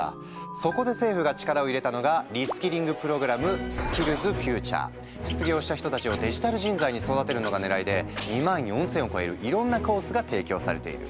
そこで政府が力を入れたのがリスキリングプログラム失業した人たちをデジタル人材に育てるのがねらいで２万４，０００を超えるいろんなコースが提供されている。